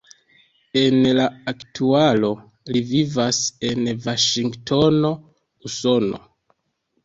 En la aktualo li vivas en Vaŝingtono, Usono.